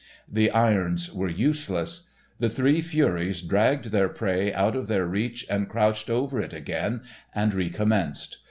The irons were useless. The three furies dragged their prey out of their reach and crouched over it again and recommenced.